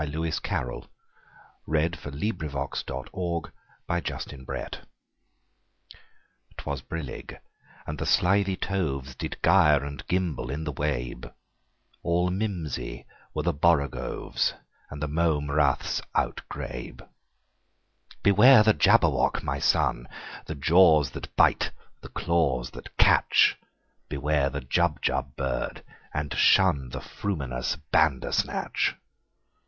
Lewis Carroll 1832–98 Jabberwocky CarrollL 'T WAS brillig, and the slithy tovesDid gyre and gimble in the wabe; All mimsy were the borogoves, And the mome raths outgrabe."Beware the Jabberwock, my son! The jaws that bite, the claws that catch! Beware the Jubjub bird, and shunThe frumious Bandersnatch!"